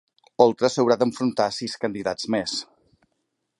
Oltra s'haurà d'enfrontar a sis candidats més